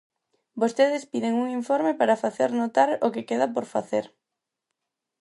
Vostedes piden un informe para facer notar o que queda por facer.